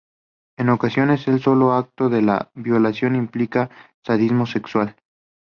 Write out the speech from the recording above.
En ocasiones el solo acto de la violación implica sadismo sexual.